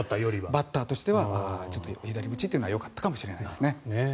バッターとしては左打ちというのはよかったかもしれません。